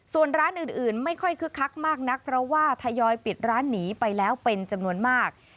ส่วนร้านอื่นไม่ค่อยคึกคักมากนักเพราะว่าทยอยปิดร้านหนีไปแล้วเป็นจำนวนมาก